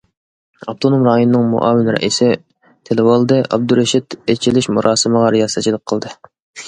ئاپتونوم رايوننىڭ مۇئاۋىن رەئىسى تىلىۋالدى ئابدۇرېشىت ئېچىلىش مۇراسىمىغا رىياسەتچىلىك قىلدى.